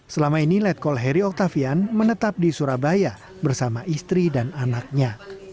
selama ini letkol heri oktavian menetap di surabaya bersama istri dan anaknya